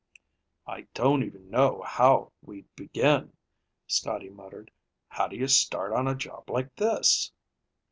"I don't even know how we'd begin," Scotty muttered. "How do you start on a job like this?"